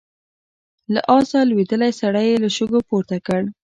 له آسه لوېدلی سړی يې له شګو پورته کړ.